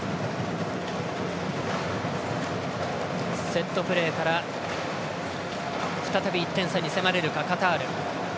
セットプレーから再び１点差に迫れるかカタール。